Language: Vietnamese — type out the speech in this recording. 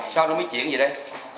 sao nó mới chuyển vậy đây